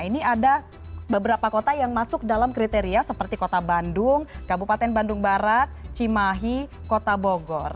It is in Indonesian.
ini ada beberapa kota yang masuk dalam kriteria seperti kota bandung kabupaten bandung barat cimahi kota bogor